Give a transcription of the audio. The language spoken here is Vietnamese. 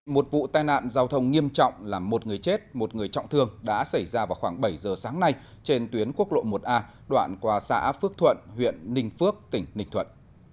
một vụ tai nạn giao thông nghiêm trọng làm một người chết một người trọng thương đã xảy ra vào khoảng bảy giờ sáng nay trên tuyến quốc lộ một a đoạn qua xã phước thuận huyện ninh phước tỉnh ninh thuận